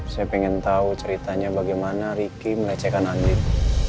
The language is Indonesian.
saya pengen tahu ceritanya bagaimana riki melecehkan anjing